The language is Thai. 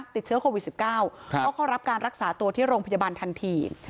ติดเชื้อโควิด๑๙ก็เข้ารับการรักษาตัวที่โรงพยาบาลทันที